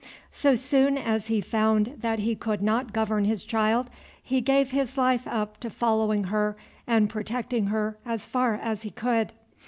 So soon as he found that he could not govern his child, he gave his life up to following her and protecting her as far as he could.